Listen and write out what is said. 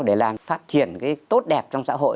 để làm phát triển cái tốt đẹp trong xã hội